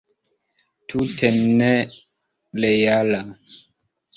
Tute nereala!